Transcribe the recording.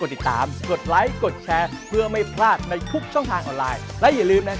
ที่เป็นภาพมนตราหรับที่ไหน